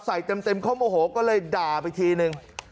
เต็มเขาโมโหก็เลยด่าไปทีนึง